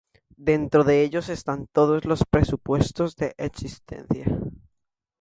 Dentro de ellos están todos los presupuestos de existencia.